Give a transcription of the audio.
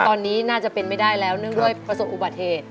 ตอนนี้น่าจะเป็นไม่ได้แล้วเนื่องด้วยประสบอุบัติเหตุ